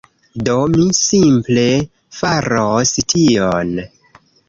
Do, mi simple faros tion.